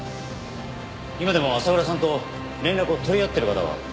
今でも浅倉さんと連絡を取り合ってる方は？